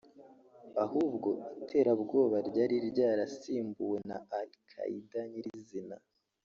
ahubwo iterabwoba ryari ryarasimbuwe na Al Qaida nyirizina